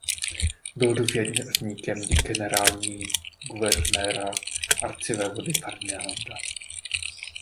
Byl důvěrníkem Generální guvernéra arcivévody Ferdinanda.